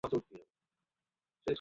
ওগুলো বিয়ের আংটি নাকি?